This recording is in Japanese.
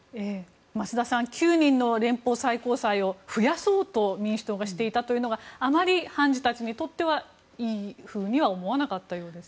増田さん９人の連邦最高裁を増やそうと民主党がしていたのはあまり判事たちにとってはいいふうには思わなかったようです。